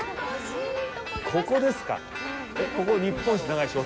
ここですか！